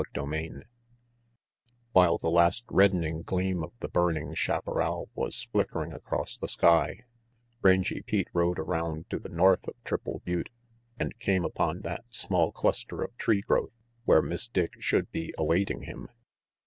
CHAPTER VII WHILE the last reddening gleam of the burning chaparral was flickering across the sky, Rangy Pete rode around to the north of Triple Butte and came upon that small cluster of tree growth where Miss Dick should be awaiting him.